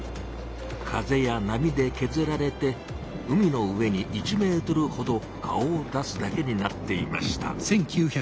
風や波でけずられて海の上に１ｍほど顔を出すだけになっていました。